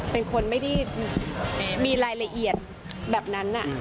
เป็นคนไม่ได้มีรายละเอียดแบบนั้น